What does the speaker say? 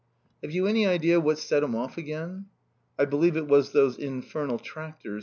"Have you any idea what set him off again?" "I believe it was those infernal tractors.